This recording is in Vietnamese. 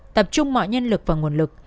tập trung mọi nhân lực và nguồn lực